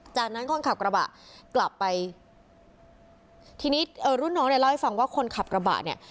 จากนั้นคนขับกระบะกลับไปทีนี้เอ่อรุ่นน้องเนี่ยเล่าให้ฟังว่าคนขับกระบะเนี่ย